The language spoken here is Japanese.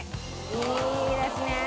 いいですね。